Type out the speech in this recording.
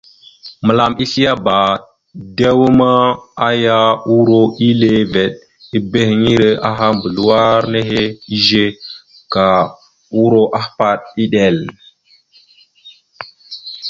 Mǝlam esleaba, dew ma, aya uro ille veɗ ebehiŋire aha mbazləwar nehe izze, ka uro ahpaɗ iɗel.